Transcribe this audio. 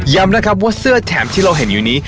นะครับว่าเสื้อแถมที่เราเห็นอยู่นี้